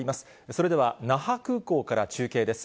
それでは、那覇空港から中継です。